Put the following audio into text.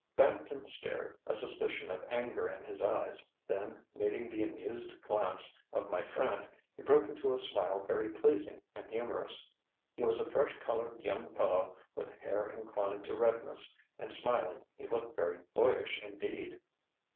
ŌĆØ Bampton stared, a suspicion of anger in his eyes, then, meeting the amused glance of my friend, he broke into a smile very pleasing and humorous. He was a fresh coloured young fellow with hair inclined to redness, and smiling he looked very boyish indeed.